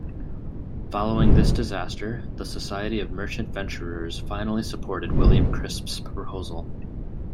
Following this disaster, the Society of Merchant Venturers finally supported William Crispe's proposal.